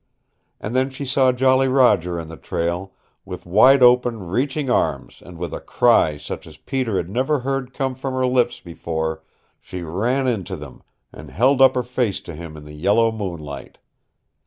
And then she saw Jolly Roger in the trail, with wide open, reaching arms, and with a cry such as Peter had never heard come from her lips before she ran into them, and held up her face to him in the yellow moon light.